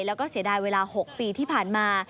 แล้วก็เสียดายเวลา๖ปีที่ผ่านมา